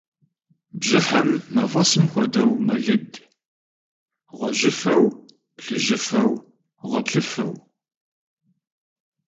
Бжьыхьэм, мафӀэсым хуэдэу, мэлыд гъуэжьыфэу, плъыжьыфэу, гъуэплъыфэу.